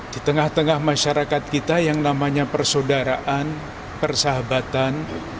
di tengah tengah masyarakat kita yang namanya persaudaraan persahabatan